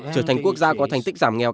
trở thành quốc gia có thành tích giảm nghèo